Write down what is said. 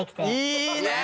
いいね！